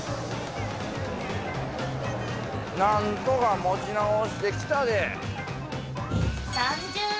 なんとかもちなおしてきたで。